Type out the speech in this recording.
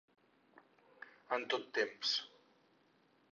En tot temps.